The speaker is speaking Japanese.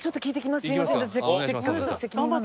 すみません